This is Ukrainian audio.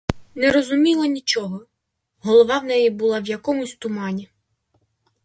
Не розуміла нічого, голова в неї була в якомусь тумані.